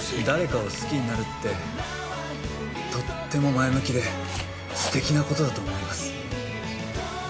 誰かを好きになるってとっても前向きで素敵な事だと思います。